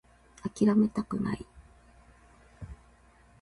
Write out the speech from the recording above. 諦めたくない